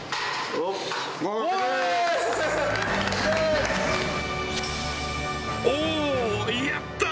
おー、やったー！